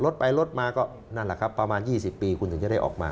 รถไปลดมาก็นั่นแหละครับประมาณ๒๐ปีคุณถึงจะได้ออกมา